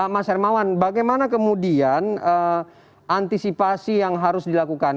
mas hermawan bagaimana kemudian antisipasi yang harus dilakukan